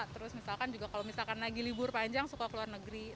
terus misalkan juga kalau misalkan lagi libur panjang suka keluar negeri